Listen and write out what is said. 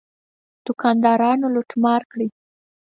دوکاندارانو لوټ مار کړی.